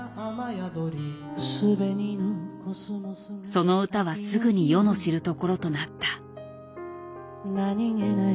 その歌はすぐに世の知るところとなった。